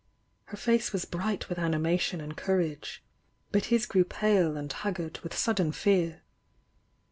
Her face was bright with animation and courage — but his grew pale and haggard with sudden fear.